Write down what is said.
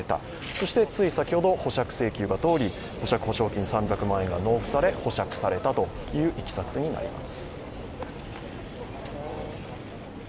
そしてつい先ほど保釈請求が通り保釈保証金３００万円が納付され、保釈されたといういきさつになります。